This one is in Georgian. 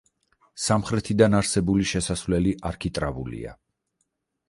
სამხრეთიდან არსებული შესასვლელი არქიტრავულია.